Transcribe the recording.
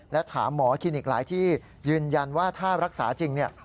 และถามหมอคลินิกหลายที่ยืนยันว่าถ้ารักษาจริงเนี่ย